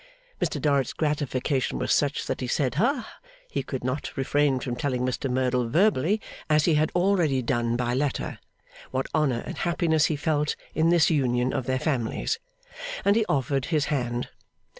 Mr Dorrit's gratification was such that he said ha he could not refrain from telling Mr Merdle verbally, as he had already done by letter, what honour and happiness he felt in this union of their families. And he offered his hand.